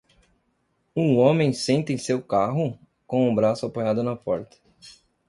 Um homem senta em seu carro? com o braço apoiado na porta.